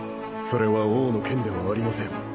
それは王の剣ではありません